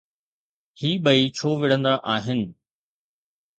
هي ٻئي ڇو وڙهندا آهن؟